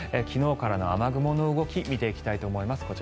昨日からの雨雲の動き見ていきたいと思います。